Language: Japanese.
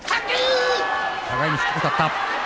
互いに低く立った。